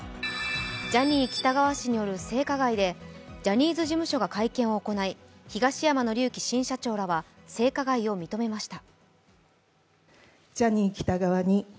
ジャニー喜多川氏による性加害でジャニーズ事務所が会見を行い、東山紀之新社長らは性加害を認めました。